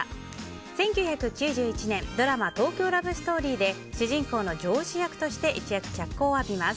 １９９１年、ドラマ「東京ラブストーリー」で主人公の上司役として一躍、脚光を浴びます。